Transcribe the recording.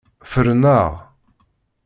Fren-aɣ!